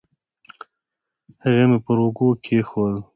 هغه مې پر اوږه کېښوول، لاسي بکس مې په لاس کې واخیست.